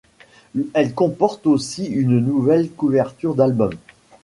Elle comporte aussi une nouvelle couverture d'album.